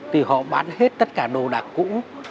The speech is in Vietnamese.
thì họ bán hết tất cả đồ đạc cũ